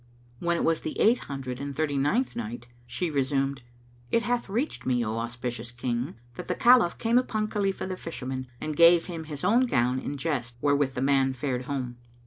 When it was the Eight Hundred and Thirty ninth Night, She resume, It hath reached me, O auspicious King, that the Caliph came upon Khalifah the Fisherman and gave him his own gown in jest wherewith the man fared home.